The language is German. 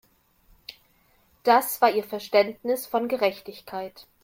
Das war ihr Verständnis von Gerechtigkeit.